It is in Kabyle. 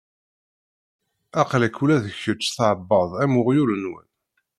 Aql-ak ula d kečč tɛebbaḍ am uɣyul-nwen.